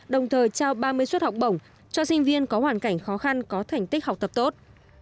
đồng thời trao ba mươi suất học bổng cho sinh viên có hoàn cảnh khó khăn có thành tích học tập tốt